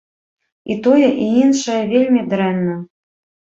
І тое, і іншае вельмі дрэнна.